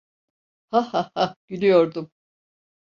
"Hah hah hah…" Gülüyordum.